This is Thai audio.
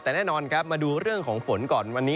แต่แน่นอนครับมาดูเรื่องของฝนก่อนวันนี้